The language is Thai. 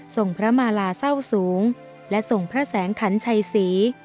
ส่งพระมาลาเศร้าสูงและส่งพระแสงขันชัยศรี